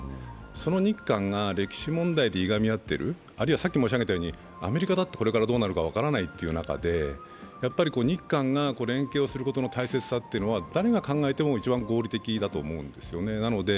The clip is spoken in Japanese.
その日韓が歴史問題でいがみ合っているあるいはアメリカだってこれからどうなるか分からないという中で、日韓が連携をすることの大切さは誰が考えても一番合理的だと思うんですよね。